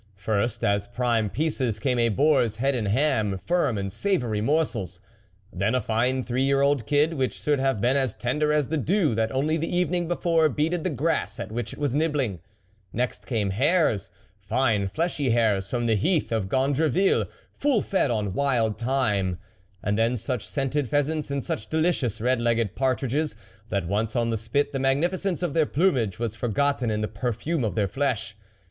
First, as prime pieces, came a boar's head and ham, firm and savoury morsels ; then a fine three year old kid, which should have been as tender as the dew that only the evening before beaded the grass at which it was nibbling ; next came hares, fine fleshy hares from the heath of Gond reville, full fed on wild thyme ; and then such scented pheasants, and such delicious red legged partridges, that once on the spit, the magnificence of their plumage was forgotten in the perfume of their flesh.